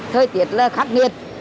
thời tiết là khắc nghiệt